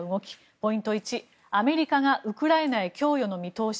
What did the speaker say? ポイント１、アメリカがウクライナへ供与の見通し